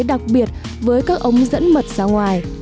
đặc biệt với các ong dẫn mật ra ngoài